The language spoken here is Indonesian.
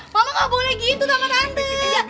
mama gak boleh gitu sama tante